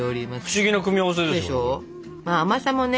不思議な組み合わせですね。